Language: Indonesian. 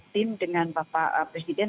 terima kasih bapak presiden